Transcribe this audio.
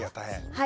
はい。